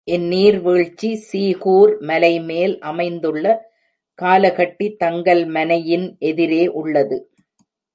இந் நீர்வீழ்ச்சி சீகூர் மலைமேல் அமைந்துள்ள காலகட்டி தங்கல்மனை யின் எதிரே உள்ளது.